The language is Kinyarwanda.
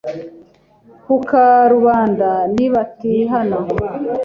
ku karubanda nibatihana